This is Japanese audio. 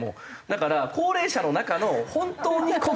だから高齢者の中の本当に困って。